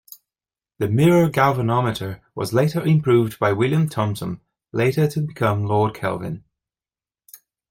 The mirror galvanometer was later improved by William Thomson, later to become Lord Kelvin.